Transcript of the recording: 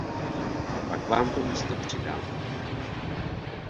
Pak vám to místo přidám.